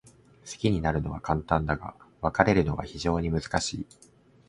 好きになるのは簡単だが、別れるのは非常に難しい。